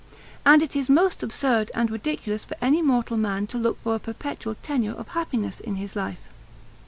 And it is most absurd and ridiculous for any mortal man to look for a perpetual tenure of happiness in his life.